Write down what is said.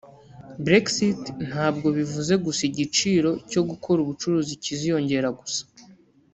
Brexit ntabwo bivuze gusa igiciro cyo gukora ubucuruzi kiziyongera gusa